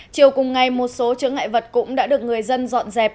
chiều cùng ngày một số chứa ngại vật cũng đã được người dân dọn dẹp